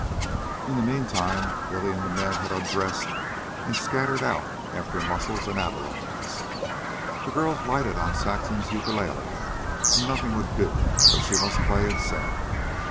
In the meantime Billy and the men had undressed and scattered out after mussels and abalones. The girls lighted on Saxon's ukulele and nothing would do but she must play and sing.